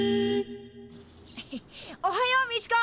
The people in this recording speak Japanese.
おはようみちこ！